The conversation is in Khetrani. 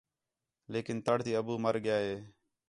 لیکن تڑ تی ابو مر ڳِیا ہِے